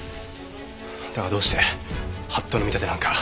だがどうして法度の見立てなんか。